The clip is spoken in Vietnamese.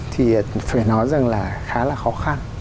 thì phải nói rằng là khá là khó khăn